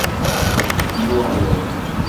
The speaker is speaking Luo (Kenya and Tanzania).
Yuaruok;